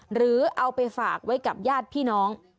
หรือเอาไปฝากไว้กับญาติพี่น้อง